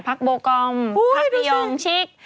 พรรคโบกอมพรรคบิยองชิค